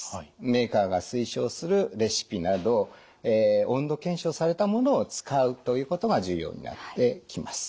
メーカーが推奨するレシピなど温度検証されたものを使うということが重要になってきます。